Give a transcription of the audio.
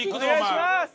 お願いします！